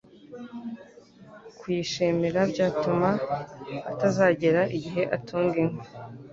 kuyishimira byatuma atazagera igihe atunga inka